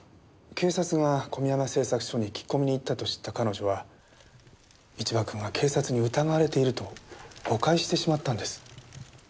警察が込山製作所に聞き込みに行ったと知った彼女は一場君が警察に疑われていると誤解してしまったんです。